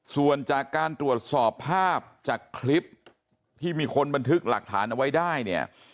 ส่วนจากการตรวจสอบภาพจากคลิปที่มีคนบันทึกหลักฐานเอาไว้ได้เนี่ย